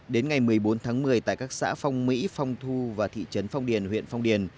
đến ngày một mươi bốn tháng một mươi tại các xã phong mỹ phong thu và thị trấn phong điền huyện phong điền